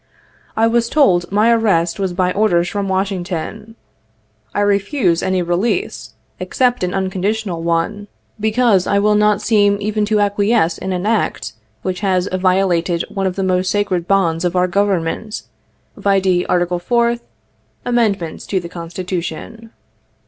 I was told my arrest was by orders from Wash ington. I refuse any release, except an unconditional one, because I 76 will not seem even to acquiesce in an act, which has violated one of the most sacred bonds of our Government, (vide Article 4th, Amend ments to the Constitution.)